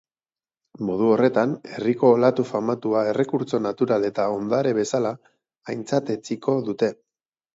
Modu horretan herriko olatu famatua errekurtso natural eta ondare bezala aintzatetsiko dute.